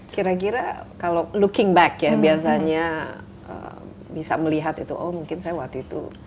kira kira kalau looking back ya biasanya bisa melihat itu oh mungkin saya waktu itu